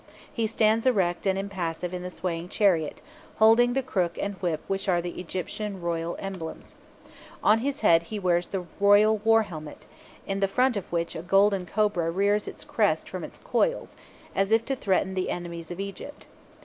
He stands erect and impassive in the swaying chariot, holding the crook and whip which are the Egyptian royal emblems. On his head he wears the royal war helmet, in the front of which a golden cobra rears its crest from its coils, as if to threaten the enemies of Egypt.